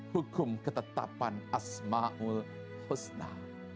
hukum ketetapan asma'ul husna